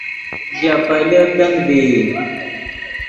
ژے پیلے تند ڤئی